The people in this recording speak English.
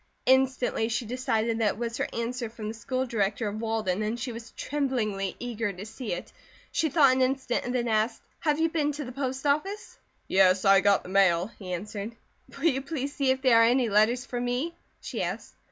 Instantly she decided that it was her answer from the School Director of Walden and she was tremblingly eager to see it. She thought an instant and then asked: "Have you been to the post office?" "Yes, I got the mail," he answered. "Will you please see if there are any letters for me?" she asked.